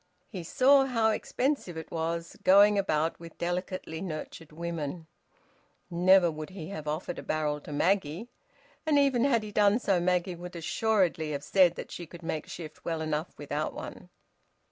He saw how expensive it was, going about with delicately nurtured women. Never would he have offered a barrel to Maggie, and even had he done so Maggie would assuredly have said that she could make shift well enough without one.